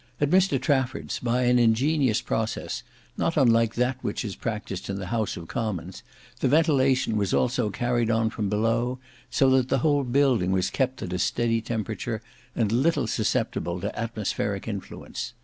At Mr Trafford's, by an ingenious process, not unlike that which is practised in the House of Commons, the ventilation was also carried on from below, so that the whole building was kept at a steady temperature, and little susceptible to atmospheric influence.